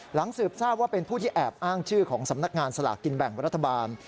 สืบทราบว่าเป็นผู้ที่แอบอ้างชื่อของสำนักงานสลากกินแบ่งรัฐบาล